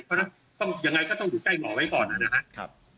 เพราะฉะนั้นต้องยังไงก็ต้องอยู่ใกล้หมอไว้ก่อนนะครับ